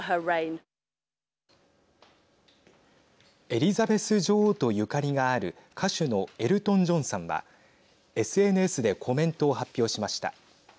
エリザベス女王とゆかりがある歌手のエルトン・ジョンさんはＳＮＳでコメントを発表しました。